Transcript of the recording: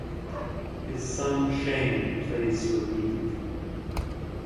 His son Shane plays for Meath.